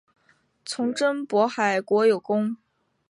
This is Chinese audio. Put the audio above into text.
从征渤海国有功。